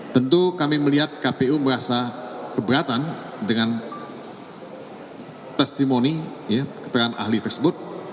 tentu kami melihat kpu merasa keberatan dengan testimoni keterangan ahli tersebut